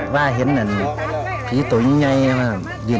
ว่าเห็นพิธรุยี่ไงครับครับ